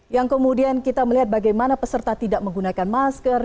yang kemudian kita melihat bagaimana peserta tidak menggunakan masker